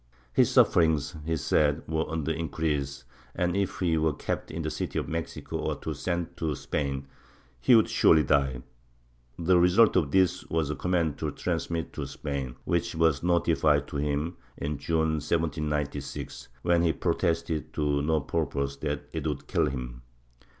His sufferings, he said, were on the increase and, if he were kept in the city of Mexico or sent to Spain, he would surely die. The result of this was a command to trans mit him to Spain, which was notified to him, in June 1796, when he protested, to no purpose, that it would kill him.